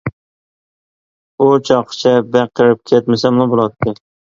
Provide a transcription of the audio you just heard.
ئۇ چاغقىچە بەك قېرىپ كەتمىسەملا بولاتتى.